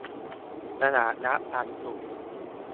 ตลาดนัดปันสุข